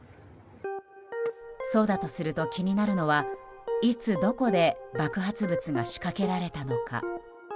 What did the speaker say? そうだとすると、気になるのはいつどこで爆発物が仕掛けられたのか。